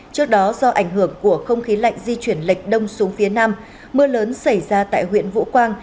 trước đó do ảnh hưởng của không khí lạnh di chuyển lệch đông xuống phía nam mưa lớn xảy ra tại huyện vũ quang